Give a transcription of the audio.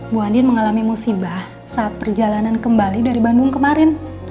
bu andin mengalami musibah saat perjalanan kembali dari bandung kemarin